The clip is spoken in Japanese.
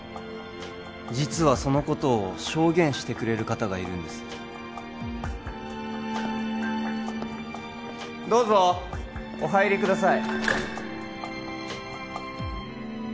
実はそのことを証言してくれる方がいるんですどうぞお入りください